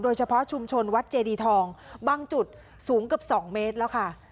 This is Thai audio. เฉพาะชุมชนวัดเจดีทองบางจุดสูงเกือบ๒เมตรแล้วค่ะ